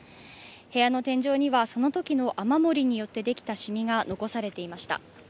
部屋の天井にはそのときの雨漏りによってできたしみが残されていました。